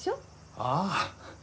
ああ。